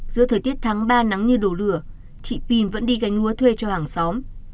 giữa thời tiết tháng ba nắng như đổ lửa chị pin vẫn đi gánh ngoa thuê cho hàng xóm